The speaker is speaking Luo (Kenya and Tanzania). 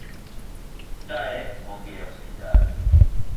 Chae onge e osiptal